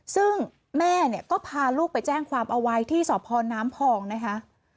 ซึ่งแม่เนี่ยก็พาลูกไปแจ้งความเอาไว้ที่สพน้ำพองนะคะ